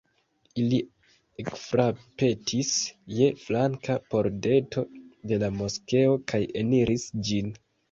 Ili ekfrapetis je flanka pordeto de la moskeo kaj eniris ĝin.